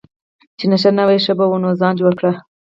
چې نشه نه وای ښه به وو، نو ځان جوړ کړه.